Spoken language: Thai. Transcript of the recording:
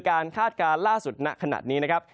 คาดการณ์ล่าสุดณขณะนี้นะครับ